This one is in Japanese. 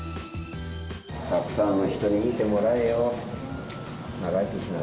たくさんの人に見てもらえよ。